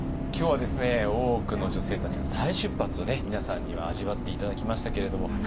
今日はですね大奥の女性たちの再出発を皆さんには味わって頂きましたけれども。